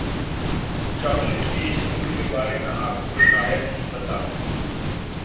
chocolate के इस गुण के बारे में आपको शायद ही पता हो